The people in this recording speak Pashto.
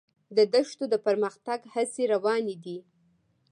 د دښتو د پرمختګ هڅې روانې دي.